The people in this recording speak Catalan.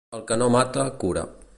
El que no mata, cura.